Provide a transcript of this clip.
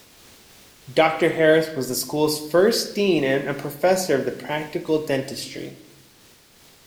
Doctor Harris was the school's first dean and a professor of practical dentistry.